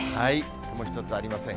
雲一つありません。